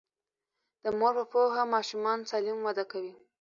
د مور په پوهه ماشومان سالم وده کوي.